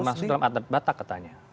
masuk dalam adat batak katanya